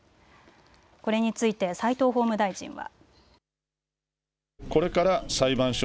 これについて齋藤法務大臣は。